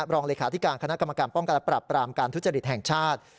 รองเลขาธิการคณะกรรมการป้องกันและปรับปรามการทุจริตแห่งชาติ